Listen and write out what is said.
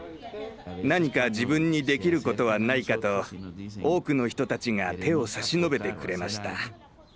何か自分にできることはないかと多くの人たちが手を差し伸べてくれました。